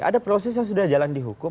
ada proses yang sudah jalan di hukum